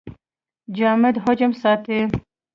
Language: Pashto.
جامد حجم ساتي.